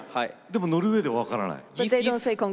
でもノルウェーでは分からない？